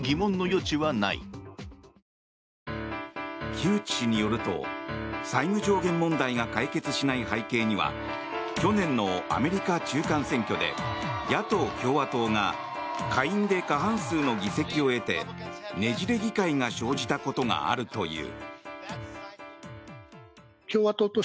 木内氏によると債務上限問題が解決しない背景には去年のアメリカ中間選挙で野党・共和党が下院で過半数の議席を得てねじれ議会が生じたことがあるという。